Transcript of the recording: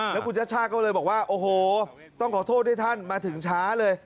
แล้วคุณชัชชาก็เลยบอกว่าโอ้โหต้องขอโทษให้ท่านมาถึงช้าเลย